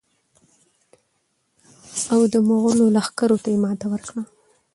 او د مغولو لښکرو ته یې ماته ورکړه.